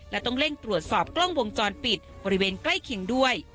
และต้องเร่งตรวจสอบกล้องวงจรปิดบริเวณใกล้เคียงด้วย